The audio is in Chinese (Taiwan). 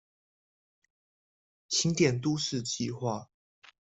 新店都市計畫